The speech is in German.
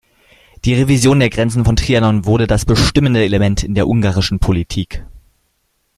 Die Revision der Grenzen von Trianon wurde das bestimmende Element in der ungarischen Politik.